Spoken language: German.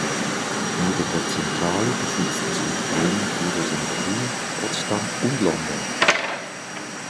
Neben der Zentrale besitzt das Unternehmen Büros in Berlin, Potsdam und London.